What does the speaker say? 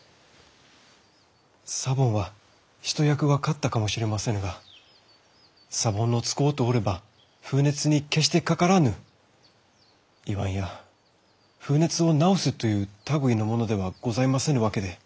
サボンは一役は買ったかもしれませぬがサボンを使うておれば風熱に決してかからぬいわんや風熱を治すという類いのものではございませぬわけで。